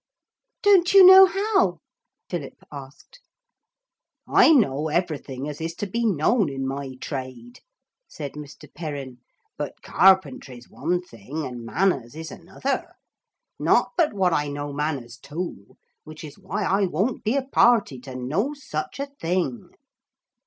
'Don't you know how?' Philip asked. 'I know everything as is to be known in my trade,' said Mr. Perrin, 'but carpentry's one thing, and manners is another. Not but what I know manners too, which is why I won't be a party to no such a thing.'